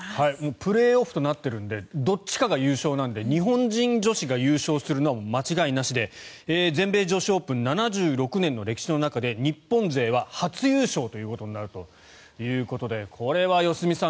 プレーオフとなっているのでどっちかが優勝なんで日本人女子が優勝するのはもう間違いなしで全米女子オープン７６年の歴史の中で日本勢は初優勝ということになるということでこれは良純さん